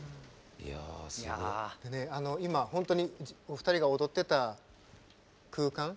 でねあの今本当にお二人が踊ってた空間